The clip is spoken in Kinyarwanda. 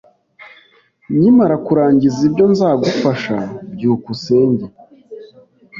Nkimara kurangiza ibyo, nzagufasha. byukusenge